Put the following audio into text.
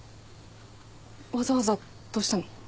わざわざどうしたの？